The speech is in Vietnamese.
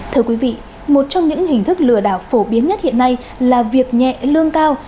thưa quý vị một trong những hình thức lừa đảo phổ biến nhất hiện nay là việc nhẹ lương cao